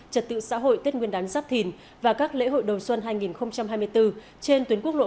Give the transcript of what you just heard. trật tự xã hội tết nguyên đán giáp thìn và các lễ hội đầu xuân hai nghìn hai mươi bốn trên tuyến quốc lộ một